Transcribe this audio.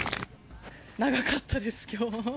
長かったです、今日。